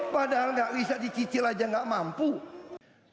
mau dikasih rumah yang murah